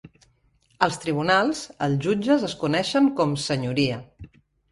Als tribunals, els jutges es coneixen com "Senyoria".